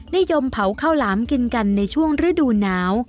นิยมเผาข้าวหลามกินกันในช่วงฤดูหนาว